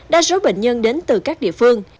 đa số bệnh nhân đến từ các địa phương